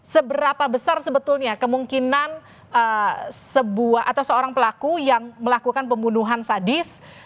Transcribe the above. seberapa besar sebetulnya kemungkinan sebuah atau seorang pelaku yang melakukan pembunuhan sadis